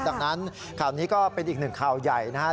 ดังนั้นข่าวนี้ก็เป็นอีกหนึ่งข่าวใหญ่นะครับ